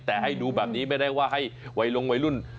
แต่ให้ดูแบบนี้ไม่ได้ว่าให้วัยลงวัยรุ่น